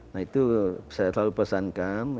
nah itu saya selalu pesankan